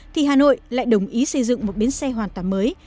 thì hà nội lại đồng ý xây dựng một bến xe hoàn toàn mới